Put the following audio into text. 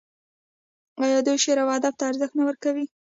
آیا دوی شعر او ادب ته ارزښت نه ورکوي؟